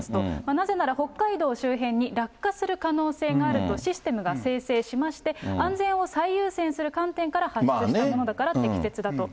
なぜなら北海道周辺に落下する可能性があるとシステムが生成しまして、安全を最優先する観点から発出したものだから適切だと。